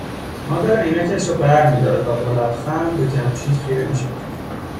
مادر عینکش را برمیدارد و با لبخند به جمشید خیره می شود